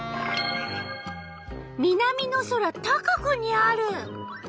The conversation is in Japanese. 南の空高くにある。